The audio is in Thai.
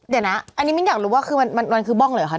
เดี๋ยวนะอันนี้มิสอยากรู้ว่าคือมันคือบ้องหรือเปล่าค่ะ